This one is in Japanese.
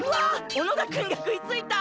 小野田くんが食いついた！